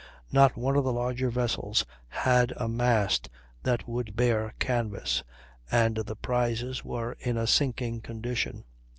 Not one of the larger vessels had a mast that would bear canvas, and the prizes were in a sinking condition.